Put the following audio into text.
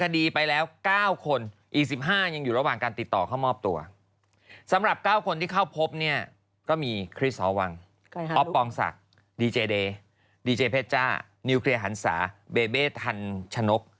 ดีเจเพชรจ้านิวเคลียร์หันศาเบเบ่ทันชนก